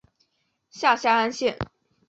下辖安省。